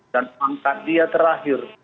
dan angkat dia terakhir